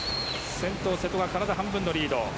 先頭、瀬戸は体半分のリード。